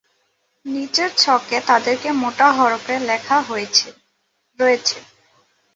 নিচের ছকে তাদেরকে মোটা হরফে লেখা রয়েছে।